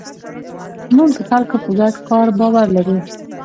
موږ د خلکو په ګډ کار باور لرو.